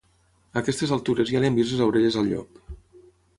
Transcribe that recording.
A aquestes altures ja li hem vist les orelles al llop.